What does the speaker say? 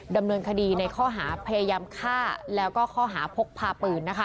ดำเนินคดีในข้อหาพยายามฆ่าแล้วก็ข้อหาพกพาปืน